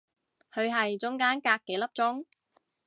佢係中間隔幾粒鐘